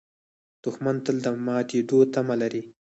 دښمن تل د ماتېدو تمه لري